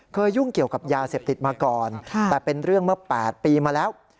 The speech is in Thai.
ยุ่งเกี่ยวกับยาเสพติดมาก่อนแต่เป็นเรื่องเมื่อ๘ปีมาแล้ว